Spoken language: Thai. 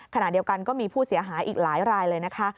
ขณะเดียวกันก็มีผู้เสียหายอีกหลายรายเลยนะคะ